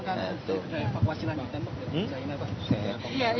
apakah itu dari evakuasi lanjutan china pak